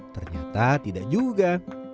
ternyata tidak juga